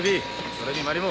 それにマリモ。